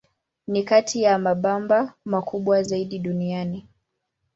Ni kati ya mabamba makubwa zaidi duniani.